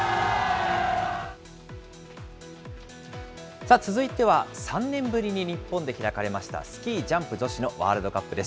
さあ、続いては、３年ぶりに日本で開かれましたスキージャンプ女子のワールドカップです。